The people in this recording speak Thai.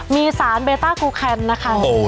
มีสารเบต้ากูแคนนะคะ